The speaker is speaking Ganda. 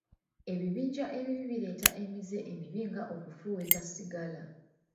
Ebibinja ebibi bireeta emize emibi nga okufuweeta sigala.